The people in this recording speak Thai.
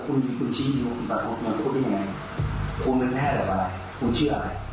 คุณเป็นแพทย์หรือเปล่าอะไรคุณเชื่ออะไรคุณถามว่าคุณเป็นแพทย์ใช่ไหมคุณต้องแสดงให้ยังเห็นรู้คุณเชื่ออะไร